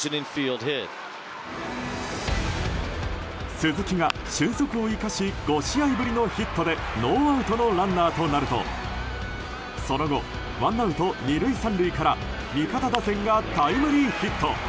鈴木が俊足を生かし５試合ぶりのヒットでノーアウトのランナーとなるとその後、ワンアウト２塁３塁から味方打線がタイムリーヒット。